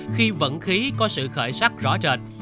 khi vận khí có sự khởi sắc rõ rệt